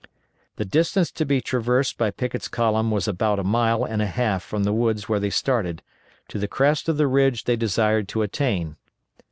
The distance to be traversed by Pickett's column was about a mile and a half from the woods where they started, to the crest of the ridge they desired to attain.